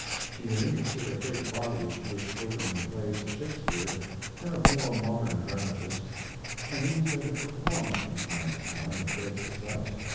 She had interested a great body of Jewish children in the plays of Shakespeare, and of more modern dramatists, and these they had performed from time to time with great success.